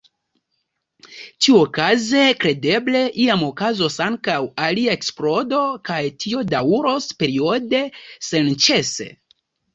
Tiuokaze, kredeble, iam okazos ankaŭ alia eksplodo kaj tio daŭros periode, senĉese.